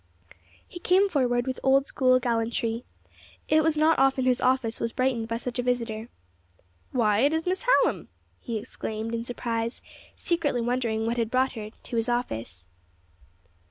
He came forward with old school gallantry. It was not often his office was brightened by such a visitor. "Why, it is Miss Hallam!" he exclaimed, in surprise, secretly wondering what had brought her to his office.